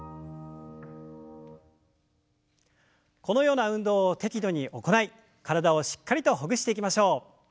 このような運動を適度に行い体をしっかりとほぐしていきましょう。